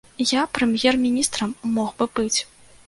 Я прэм'ер-міністрам мог бы быць.